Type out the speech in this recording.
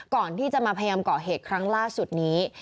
ก่อนที่จะมาพยายามเกาะเหตุครั้งล่าสุดนี้